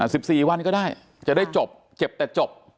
สิบสี่วันก็ได้จะได้จบเจ็บแต่จบ